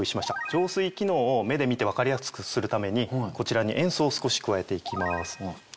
浄水機能を目で見て分かりやすくするためにこちらに塩素を少し加えていきます。